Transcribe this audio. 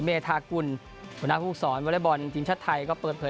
เมธากุลหัวหน้าภูกศรวัลย์บอลทีมชาติไทยก็เปิดเผลอ